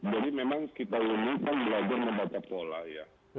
jadi memang kita inginkan berlagu membaca pola ya